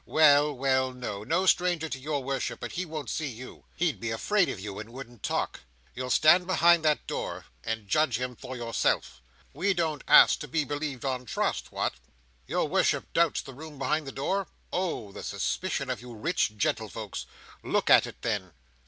Well, well; no. No stranger to your worship. But he won't see you. He'd be afraid of you, and wouldn't talk. You'll stand behind that door, and judge him for yourself. We don't ask to be believed on trust What! Your worship doubts the room behind the door? Oh the suspicion of you rich gentlefolks! Look at it, then."